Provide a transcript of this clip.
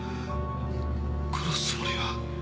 殺すつもりは。